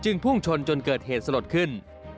พุ่งชนจนเกิดเหตุสลดขึ้น